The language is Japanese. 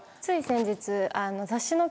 つい先日。